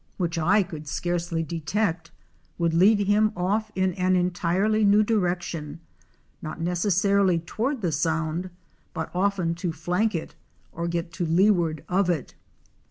which I could scarcely detect would lead him off in an entirely new direction, not necessarily toward the sound, but often to flank it or get to leeward of it.